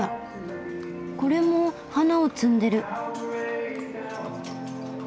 これも花を積んでる。